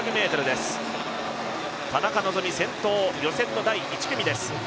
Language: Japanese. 田中希実、先頭、予選の第１組です。